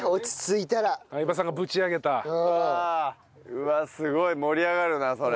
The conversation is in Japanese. うわっすごい盛り上がるなそれ。